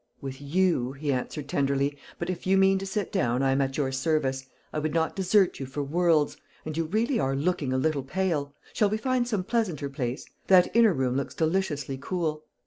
"With you," he answered tenderly. "But if you mean to sit down, I am at your service. I would not desert you for worlds. And you really are looking a little pale. Shall we find some pleasanter place? That inner room looks deliciously cool."